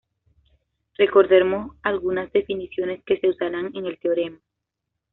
Recordemos algunas definiciones que se usarán en el teorema.